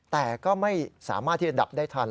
แต่ก็ไม่สามารถที่จะดับได้ทัน